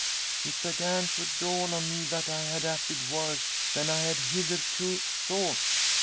It began to dawn on me that I had acted worse than I had hitherto thought.